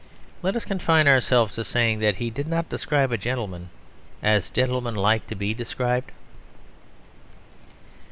Let us confine ourselves to saying that he did not describe a gentleman as gentlemen like to be described.